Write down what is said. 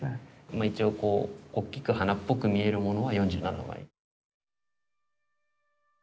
まっ一応こう大きく花っぽく見えるものは４７枚。